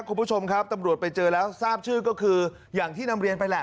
คุณผู้ชมครับตำรวจไปเจอแล้วทราบชื่อก็คืออย่างที่นำเรียนไปแหละ